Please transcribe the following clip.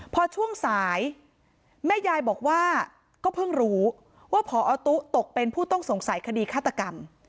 พอช่วงสายแม่ยายบอกว่าก็เพิ่งรู้ว่าพอตุ๊ตกเป็นผู้ต้องสงสัยคดีฆาตกรรม